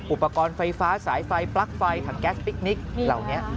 อุปกรณ์ไฟฟ้าสายไฟปลั๊กไฟถังแก๊สพิคนิคเหล่านี้